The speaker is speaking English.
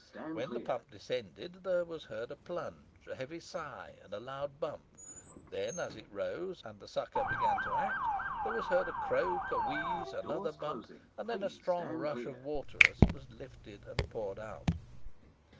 When the pump descended, there was heard a plunge, a heavy sigh, and a loud bump: then, as it rose, and the sucker began to act, there was heard a croak, a wheeze, another bump, and then a strong rush of water as it was lifted and poured out.